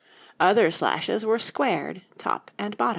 Other slashes were squared top and bottom.